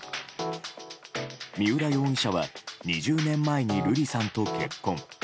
三浦容疑者は２０年前に瑠麗さんと結婚。